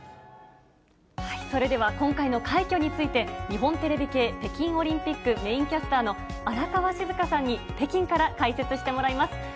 それでは、今回の快挙について、日本テレビ系北京オリンピックメインキャスターの荒川静香さんに、北京から解説してもらいます。